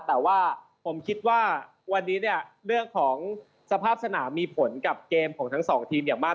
แต่ว่าผมคิดว่าวันนี้เนี่ยเรื่องของสภาพสนามมีผลกับเกมของทั้งสองทีมอย่างมาก